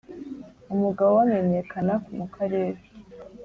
Umugabo we amenyekana mu karere